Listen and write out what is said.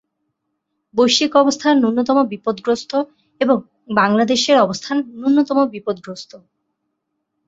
বৈশ্বিক অবস্থা ন্যূনতম বিপদগ্রস্ত এবং বাংলাদেশের অবস্থায় ন্যূনতম বিপদগ্রস্ত।